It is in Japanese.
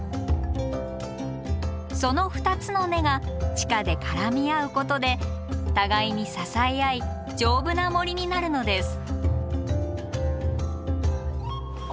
その２つの根が地下で絡み合うことで互いに支え合い丈夫な森になるのです。